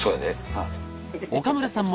はい。